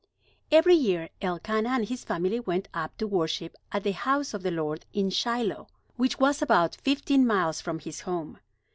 Every year Elkanah and his family went up to worship at the house of the Lord in Shiloh, which was about fifteen miles from his home.